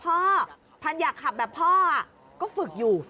พ่อพันอยากขับแบบพ่อก็ฝึกอยู่